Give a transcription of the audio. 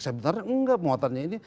sebenarnya enggak muatannya ini